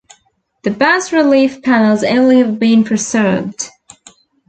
The bas-relief panels only have been preserved.